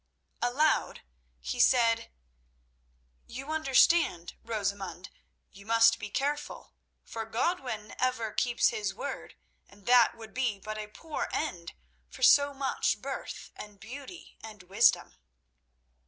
Aloud he said, "You understand, Rosamund, you must be careful, for Godwin ever keeps his word, and that would be but a poor end for so much birth and beauty and wisdom."